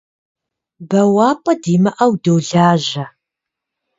Бэуапӏэ димыӏэу долажьэ.